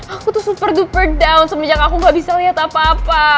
aku tuh super doper down semenjak aku gak bisa lihat apa apa